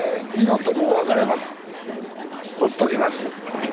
ほっときます。